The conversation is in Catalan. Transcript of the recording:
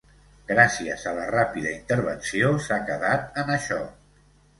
Gràcies a la ràpida intervenció s’ha quedat en això.